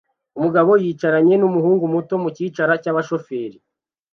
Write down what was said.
Umugabo yicaranye numuhungu muto mukicara cyabashoferi